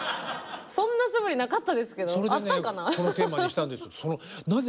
そんなそぶりなかったですけどあったんかな？